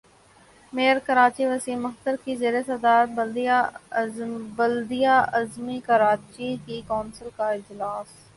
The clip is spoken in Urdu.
میئر کراچی وسیم اختر کی زیر صدارت بلدیہ عظمی کراچی کی کونسل کا اجلاس